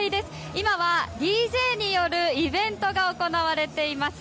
今は、ＤＪによるイベントが行われています。